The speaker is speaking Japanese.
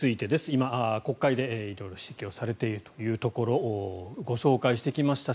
今、国会で色々私的をされているというところをご紹介してきました。